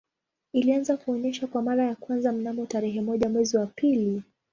Ilianza kuonesha kwa mara ya kwanza mnamo tarehe moja mwezi wa pili